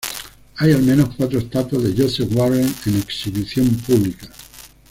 Hay al menos cuatro estatuas de Joseph Warren en exhibición pública.